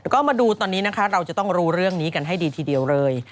ก็มาดูตอนนี้นะคะเราจะต้องรู้เรื่องนี้กันให้ดีทีเดียวเลย